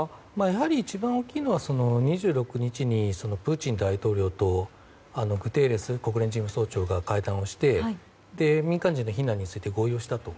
やはり、一番大きいのは２６日にプーチン大統領とグテーレス国連事務総長が会談をして民間人の避難について合意をしたと。